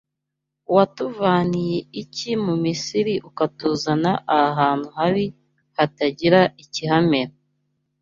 Watuvaniye iki mu Misiri ukatuzana aha hantu habi hatagira ikihamera